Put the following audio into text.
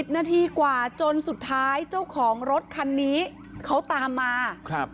นาทีกว่าจนสุดท้ายเจ้าของรถคันนี้เขาตามมา